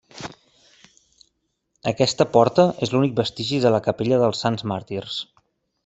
Aquesta porta és l'únic vestigi de la capella dels Sants Màrtirs.